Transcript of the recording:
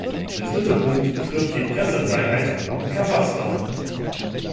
Der dritte Punkt betrifft die Pressefreiheit in Kasachstan.